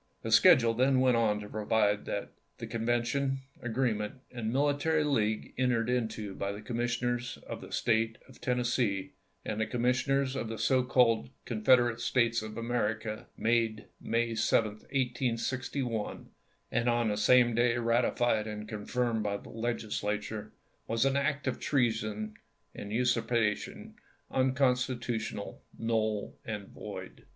The schedule then went on to provide that, " The convention, agreement, and military league en tered into by the Commissioners of the State of Tennessee and the Commissioners of the so called Confederate States of America, made May 7, 1861, and on the same day ratified and confirmed by the Legislature, was an act of treason and usurpation, unconstitutional, null, and void."